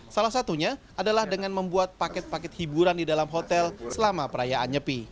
salah satunya adalah dengan membuat paket paket hiburan di dalam hotel selama perayaan nyepi